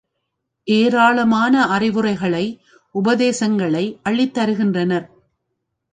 ஏராளமான அறிவுரைகளை உபதேசங்களை அள்ளித் தருகின்றனர்.